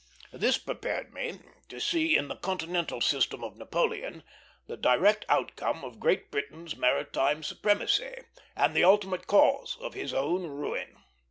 This prepared me to see in the Continental System of Napoleon the direct outcome of Great Britain's maritime supremacy, and the ultimate cause of his own ruin.